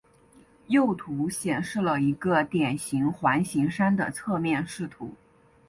右图显示了一个典型环形山的侧面视图。